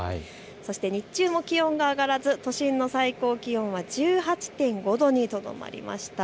日中も気温が上がらず都心の最高気温は１８．５度にとどまりました。